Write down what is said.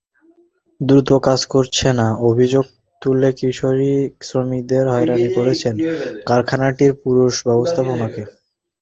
দ্রুত কাজ করছে না—অভিযোগ তুলে কিশোরী শ্রমিকদের হয়রানি করছেন কারখানাটির পুরুষ ব্যবস্থাপকেরা।